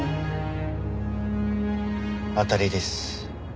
当たりです。